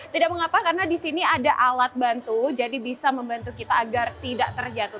tidak mengapa karena di sini ada alat bantu jadi bisa membantu kita agar tidak terjatuh